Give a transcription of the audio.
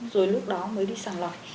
rồi lúc đó mới đi sàng lọc